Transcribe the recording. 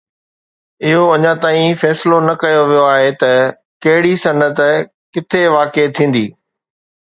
اهو اڃا تائين فيصلو نه ڪيو ويو آهي ته ڪهڙي صنعت ڪٿي واقع ٿيندي.